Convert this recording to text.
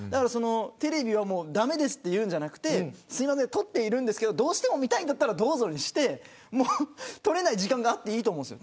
テレビは駄目ですと言うんじゃなくてすいません撮っているんですけどどうしても見たいならどうぞにして撮れない時間があっていいと思うんです。